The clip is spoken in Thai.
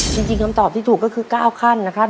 จริงคำตอบที่ถูกก็คือ๙ขั้นนะครับ